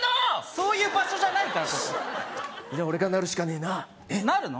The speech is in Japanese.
そういう場所じゃないからここじゃあ俺がなるしかねえななるの？